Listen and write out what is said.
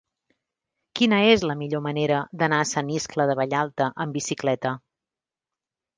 Quina és la millor manera d'anar a Sant Iscle de Vallalta amb bicicleta?